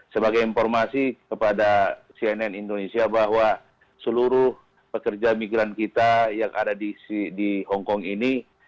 sebagai informasi kepada cnn indonesia bahwa seluruh pekerja migran kita yang ada di hongkong ini